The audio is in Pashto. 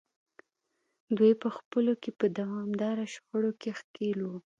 دوی په خپلو کې په دوامداره شخړو کې ښکېل وو.